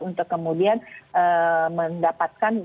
untuk kemudian mendapatkan